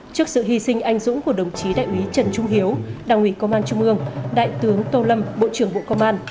trước sự hy sinh anh dũng của đồng chí đại úy trần trung hiếu đảng ủy công an trung ương đại tướng tô lâm bộ trưởng bộ công an